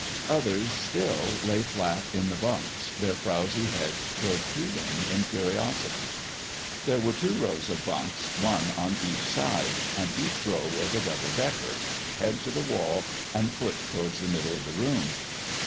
Others, still, lay flat in the bunks, their frowzy heads protruding in curi osity. There were two rows of bunks, one on each side ; and each row was a " double decker " FIST PLAY '47 head to the wall and foot towards the middle of the room.